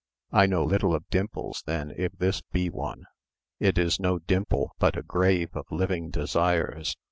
I know little of dimples then if this be one. It is no dimple, but a grave of living desires.